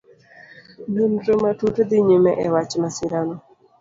Nonro matut dhi nyime e wach masirano.